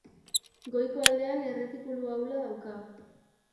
Goiko aldean erretikulu ahula dauka.